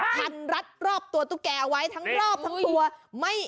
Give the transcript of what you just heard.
พันรัดรอบตัวตุ๊กแกเอาไว้ทั้งรอบทั้งตัวไม่